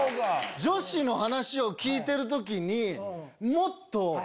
女子の話を聞いてる時にもっと。